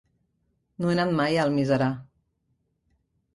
No he anat mai a Almiserà.